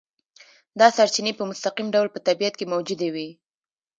دا سرچینې په مستقیم ډول په طبیعت کې موجودې وي.